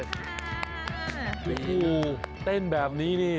ทุกผู้เต้นแบบนี้นี่